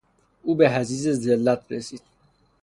او به حضیض ذلت رسید.